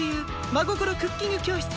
「真心クッキング教室」。